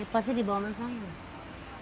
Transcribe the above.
pasti dibawah manfaat